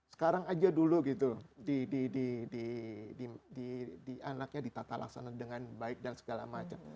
sekarang aja dulu gitu di anaknya ditata laksana dengan baik dan segala macam